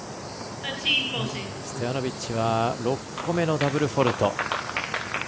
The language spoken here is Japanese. ストヤノビッチは６個目のダブルフォールト。